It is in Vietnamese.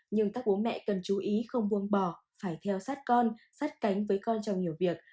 nhưng các bố mẹ cần chú ý không buông bỏ phải theo sát con sát cánh với con trong nhiều việc